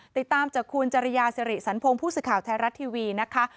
ติดตามจากคุณจริยาสิริสันพงศ์ผู้สื่อข่าวไทยรัฐทีวีนะคะ